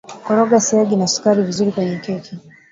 Koroga siagi na sukari vizuri kwenye keki